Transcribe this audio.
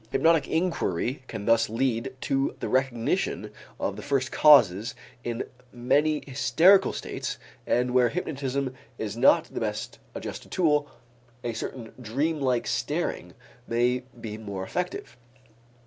Hypnotic inquiry can thus lead to the recognition of the first causes in many hysterical states and where hypnotism is not the best adjusted tool, a certain dreamlike staring may be more effective.